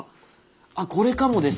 あっこれかもです。